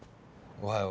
おはよう。